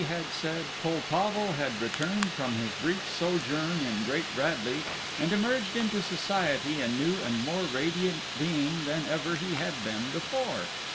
had said, Poltavo had returned from his brief sojourn in Great Bradley, and emerged into society a new and more radiant being than ever he had been before.